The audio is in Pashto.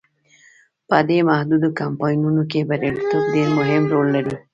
په دې محدودو کمپاینونو کې بریالیتوب ډیر مهم رول لري.